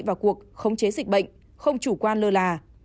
vào cuộc khống chế dịch bệnh không chủ quan lơ là